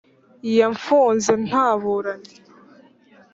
Yamfunze ntaburanye.